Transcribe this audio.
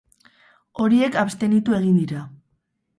Horiek abstenitu egin dira.